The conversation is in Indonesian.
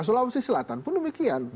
sulawesi selatan pun demikian